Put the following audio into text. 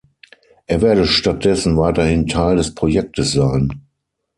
Er werde stattdessen weiterhin Teil des Projektes sein.